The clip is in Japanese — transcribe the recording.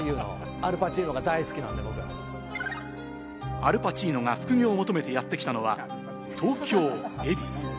アルパチーノが副業を求めてやってきたのは東京・恵比寿。